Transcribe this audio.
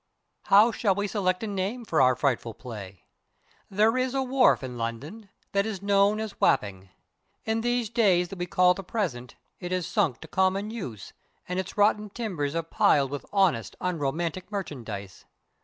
_ _How shall we select a name for our frightful play? There is a wharf in London that is known as Wapping. In these days that we call the present it has sunk to common use and its rotten timbers are piled with honest unromantic merchandise.